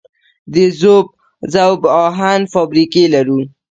د ذوب اهن فابریکې لرو؟